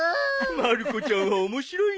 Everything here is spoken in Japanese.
まる子ちゃんは面白いなぁ。